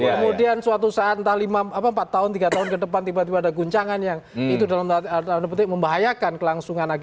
kemudian suatu saat entah empat tahun tiga tahun ke depan tiba tiba ada guncangan yang itu dalam tanda petik membahayakan kelangsungan agama